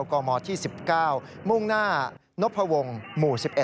กมที่๑๙มุ่งหน้านพวงหมู่๑๑